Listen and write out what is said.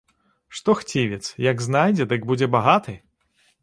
Што хцівец, як знайдзе, дык будзе багаты!